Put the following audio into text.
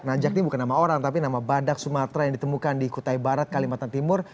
najak ini bukan nama orang tapi nama badak sumatera yang ditemukan di kutai barat kalimantan timur